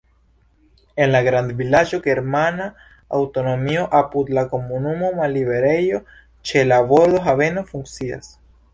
En la grandvilaĝo germana aŭtonomio, apud la komunumo malliberejo, ĉe la bordo haveno funkcias.